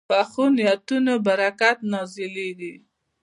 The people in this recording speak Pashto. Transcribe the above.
پخو نیتونو برکت نازلېږي